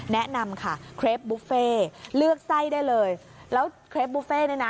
แนะนำค่ะเครปบุฟเฟ่เลือกไส้ได้เลยแล้วเครปบุฟเฟ่เนี่ยนะ